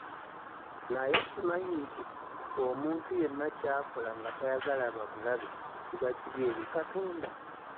Naye okimanyi nti omuntu yenna ky'akola nga tayagala bamulabe kiba kibi eri Katonda?